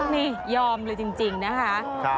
นี่ยอมเลยจริงนะคะ